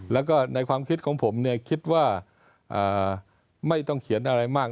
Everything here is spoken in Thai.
แล้วก็ในความคิดของผมเนี่ยคิดว่าไม่ต้องเขียนอะไรมาก